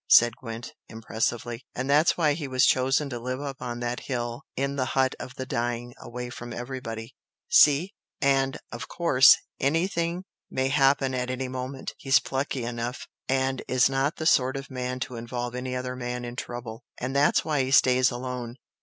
said Gwent, impressively "And that's why he was chosen to live up on that hill in the 'hut of the dying' away from everybody. See? And of course anything may happen at any moment. He's plucky enough, and is not the sort of man to involve any other man in trouble and that's why he stays alone.